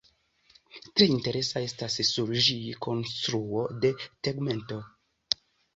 Tre interesa estas sur ĝi konstruo de tegmento.